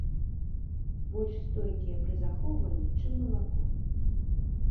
Больш стойкія пры захоўванні, чым малако.